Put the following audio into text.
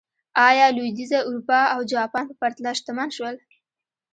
ایا لوېدیځه اروپا او جاپان په پرتله شتمن شول.